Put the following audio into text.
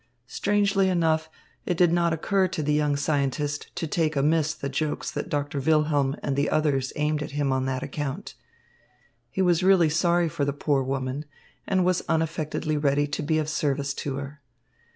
Strangely enough, it did not occur to the young scientist to take amiss the jokes that Doctor Wilhelm and the others aimed at him on that account. He was really sorry for the poor woman and was unaffectedly ready to be of service to her.